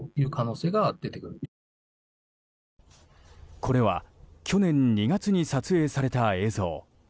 これは去年２月に撮影された映像。